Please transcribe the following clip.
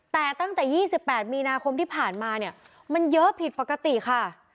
แต่ตั้งแต่๒๘มีนาคมที่ผ่านมาเนี่ยมันเยอะผิดปกติค่ะ